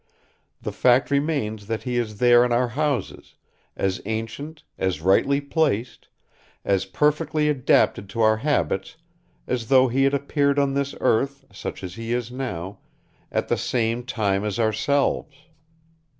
The fact remains that he is there in our houses, as ancient, as rightly placed, as perfectly adapted to our habits as though he had appeared on this earth, such as he now is, at the same time as ourselves.